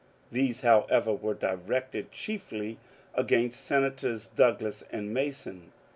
These, however, were directed chiefly against Senators Douglas and Mason.